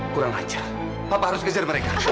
kurang aja papa harus kejar mereka